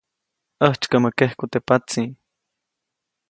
ʼÄjtsykäʼmä kejku teʼ patsi.